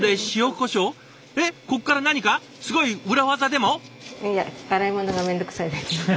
こっから何かすごい裏技でも？